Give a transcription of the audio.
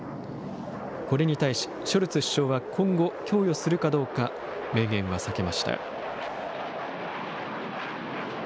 これに対し、ショルツ首相は、今後、供与するかどうか、明言は避けました。